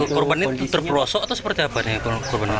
korban ini terperosok atau seperti apa nih